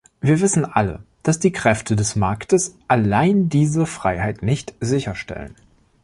Wir wissen alle, dass die Kräfte des Marktes allein diese Freiheit nicht sicherstellen.